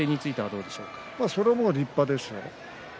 それは立派ですよ。